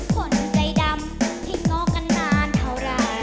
ผ่อนใจดำที่ง้อกันนานเท่าไร